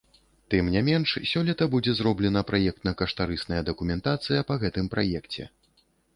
Тым не менш, сёлета будзе зроблена праектна-каштарысная дакументацыя па гэтым праекце.